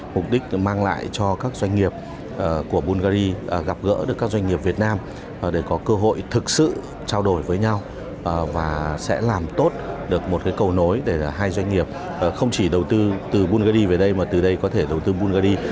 mục đích mang lại cho các doanh nghiệp của bungary gặp gỡ được các doanh nghiệp việt nam để có cơ hội thực sự trao đổi với nhau và sẽ làm tốt được một cầu nối để hai doanh nghiệp không chỉ đầu tư từ bungary về đây mà từ đây có thể đầu tư bungary